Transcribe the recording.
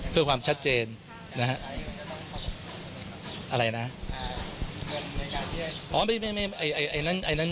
เรื่องค่าให้จ่ายเนี่ย